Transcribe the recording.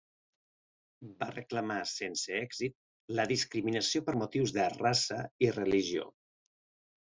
Va reclamar sense èxit la discriminació per motius de raça i religió.